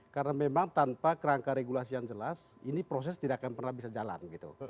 karena memang tanpa kerangka regulasi yang jelas ini proses tidak akan pernah bisa jalan gitu